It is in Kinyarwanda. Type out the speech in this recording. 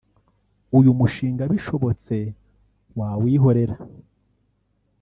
uyu mushinga bishobotse wawihorera”